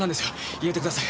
入れてください。